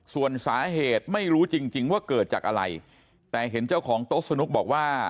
ส่วนสาเหตุไม่รู้จริงจริงว่าเกิดจากอะไรแต่เห็นเจ้าของโต๊ะสนุกบอกว่า